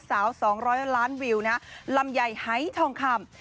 สาวสองร้อยล้านวิวนะลำไยไถ้ทองคำ